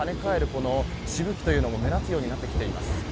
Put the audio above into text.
このしぶきも目立つようになってきています。